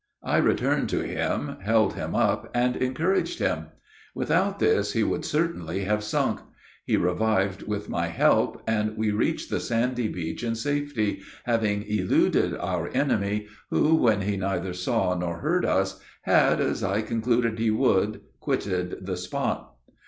I returned to him, held him up, and encouraged him. Without this he would certainly have sunk; he revived with my help, and we reached the sandy beach in safety, having eluded our enemy, who, when he neither saw nor heard us, had, as I concluded he would, quitted the spot.